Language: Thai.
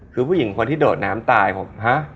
คือผู้หญิงคนที่โดดน้ำตายผมฮะ